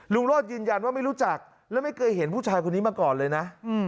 โรธยืนยันว่าไม่รู้จักและไม่เคยเห็นผู้ชายคนนี้มาก่อนเลยนะ